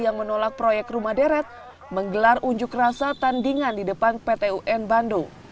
yang menolak proyek rumah deret menggelar unjuk rasa tandingan di depan pt un bandung